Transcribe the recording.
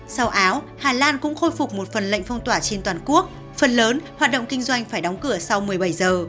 sau áo hà lan cũng khôi phục một phần lệnh phong tỏa trên toàn quốc phần lớn hoạt động kinh doanh phải đóng cửa sau một mươi bảy giờ